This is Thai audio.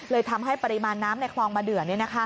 ทำให้ปริมาณน้ำในคลองมะเดือ